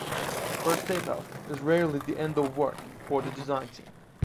First tapeout is rarely the end of work for the design team.